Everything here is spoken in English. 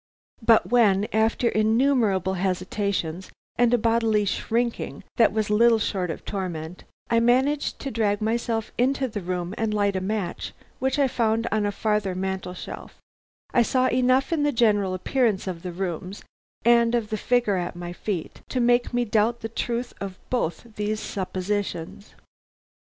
But when, after innumerable hesitations and a bodily shrinking that was little short of torment, I managed to drag myself into the room and light a match which I found on a farther mantel shelf, I saw enough in the general appearance of the rooms and of the figure at my feet to make me doubt the truth of both these suppositions.